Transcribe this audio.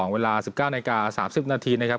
เวลา๑๙นาที๓๐นาที